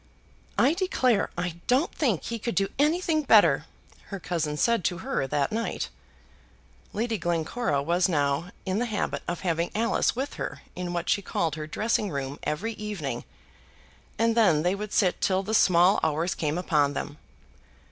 "I declare I don't think he could do anything better," her cousin said to her that night. Lady Glencora was now in the habit of having Alice with her in what she called her dressing room every evening, and then they would sit till the small hours came upon them.